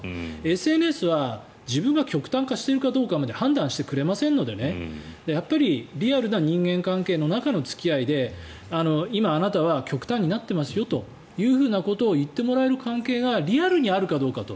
ＳＮＳは自分が極端化しているかどうかまで判断してくれませんのでやっぱり、リアルな人間関係の中の付き合いで今、あなたは極端になってますよということを言ってもらえる関係がリアルにあるかどうかと。